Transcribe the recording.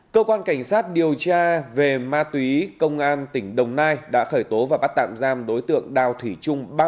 cơ quan cảnh sát điều tra về ma túy công an tỉnh đồng nai đã khởi tố và bắt tạm giam đối tượng đào thủy trung